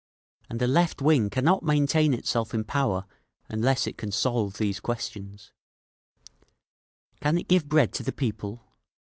And the left wing cannot maintain itself in power unless it can solve these questions…. "Can it give bread to the people?